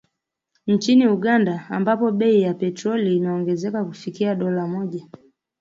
Nchini Uganda, ambapo bei ya petroli imeongezeka kufikia dola moja